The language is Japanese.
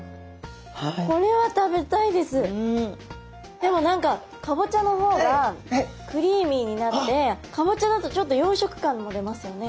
でも何かかぼちゃの方がクリーミーになってかぼちゃだとちょっと洋食感も出ますよね。